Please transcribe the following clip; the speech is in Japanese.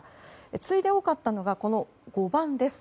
次いで多かったのが、５番です。